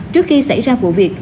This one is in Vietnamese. trước khi xảy ra vụ việc